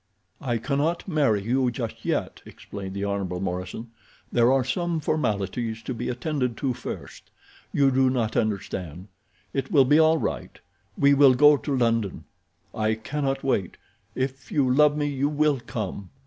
"I cannot marry you just yet," explained the Hon. Morison, "there are some formalities to be attended to first—you do not understand. It will be all right. We will go to London. I cannot wait. If you love me you will come.